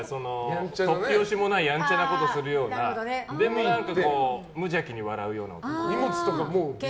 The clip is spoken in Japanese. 突拍子もないやんちゃなことするようなでも、無邪気に笑うような男。